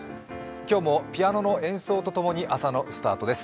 今日もピアノの演奏とともに朝のスタートです。